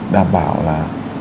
đảm bảo là